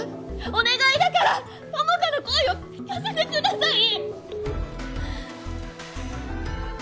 お願いだから友果の声を聞かせてください！